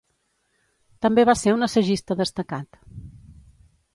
També va ser un assagista destacat.